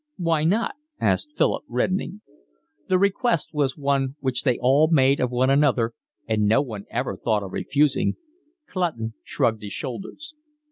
"Why not?" asked Philip, reddening. The request was one which they all made of one another, and no one ever thought of refusing. Clutton shrugged his shoulders.